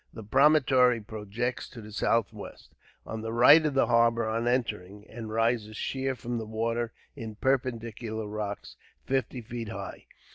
The promontory projects to the southwest, on the right of the harbour on entering; and rises sheer from the water in perpendicular rocks, fifty feet high.